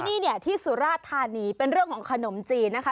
นี่เนี่ยที่สุราธานีเป็นเรื่องของขนมจีนนะคะ